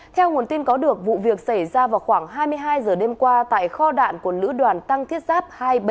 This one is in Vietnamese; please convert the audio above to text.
theo nguồn tin có được vụ việc xảy ra vào khoảng hai mươi hai h đêm qua tại kho đạn của lữ đoàn tăng thiết giáp hai trăm ba mươi bảy